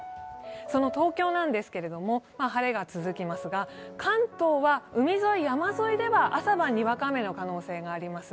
東京なんですけれども、晴れが続きますが、関東は海沿い、山沿いでは朝晩、にわか雨の可能性があります。